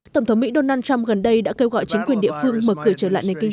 tổng thống mỹ donald trump gần đây đã kêu gọi chính quyền địa phương mở cửa trở lại nền kinh tế